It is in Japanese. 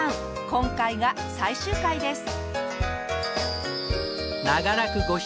今回が最終回です。